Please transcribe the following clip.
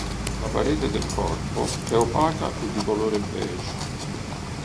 La parete del corpo è opaca e di colore beige.